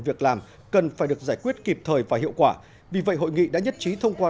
việc làm cần phải được giải quyết kịp thời và hiệu quả vì vậy hội nghị đã nhất trí thông qua